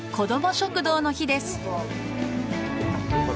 食堂の日です。